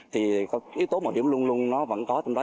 thì yếu tố mạo hiểm luôn luôn nó vẫn có trong đó